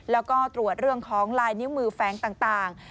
แล้วก็ตรวจเรื่องของลายนิ้วมือแฟ้งต่าง